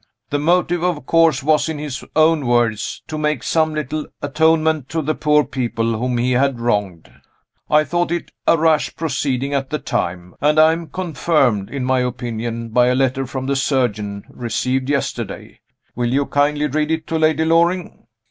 The motive, of course, was, in his own words, 'to make some little atonement to the poor people whom he had wronged.' I thought it a rash proceeding at the time; and I am confirmed in my opinion by a letter from the surgeon, received yesterday. Will you kindly read it to Lady Loring?"